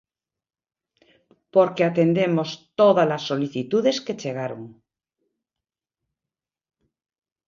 Porque atendemos todas as solicitudes que chegaron.